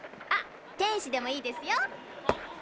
あっ「天使」でもいいですよ。